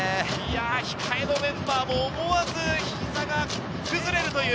控えのメンバーも思わず、膝から崩れるという。